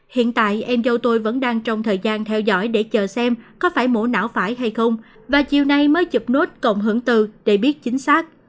hiện tại em dâu tôi vẫn đang trong thời gian theo dõi để chờ xem có phải mổ não phải hay không và chiều nay mới chụp nốt cổng hưởng từ để biết chính xác